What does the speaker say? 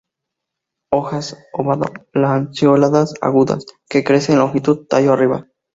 Hojas ovado-lanceoladas agudas, que crece en longitud tallo arriba.